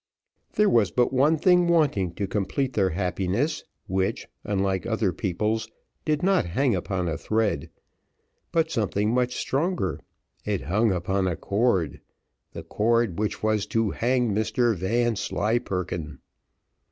There was but one thing wanting to complete their happiness, which, unlike other people's, did not hang upon a thread, but something much stronger, it hung upon a cord; the cord which was to hang Mr Vanslyperken.